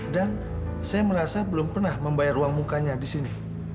dan saya merasa belum pernah membayar uang mukanya di sini